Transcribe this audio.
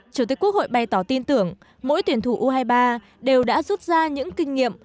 chủ tịch quốc hội bày tỏ tin tưởng mỗi tuyển thủ u hai mươi ba đều đã rút ra những kinh nghiệm